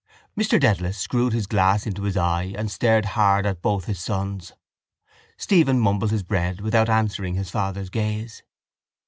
Mr Dedalus screwed his glass into his eye and stared hard at both his sons. Stephen mumbled his bread without answering his father's gaze.